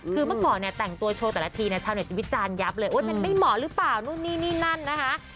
คือเมื่อก่อนเนี่ยแต่งตัวโชว์แต่ละทีเนี่ยชาวเน็ตวิจารณ์ยับเลยมันไม่เหมาะหรือเปล่านู่นนี่นี่นั่นนะคะ